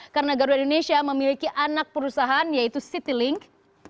karena garuda indonesia memiliki anak perusahaan yaitu citylink